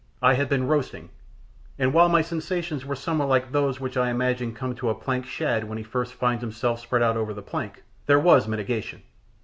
I had been roasting, and while my sensations were somewhat like those which I imagine come to a planked shad when he first finds himself spread out over the plank, there was a mitigation.